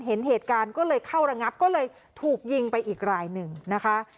เห็นเหตุการณ์ก็เลยเข้าระงับก็เลยถูกยิงไปอีกรายหนึ่งนะคะ